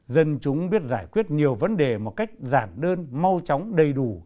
dân chúng biết giải quyết nhiều vấn đề một cách giản đơn mau chóng đầy đủ